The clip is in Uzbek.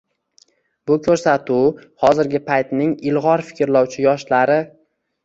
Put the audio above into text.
Bu ko‘rsatuv — hozirgi paytning ilg‘or fikrlovchi yoshlari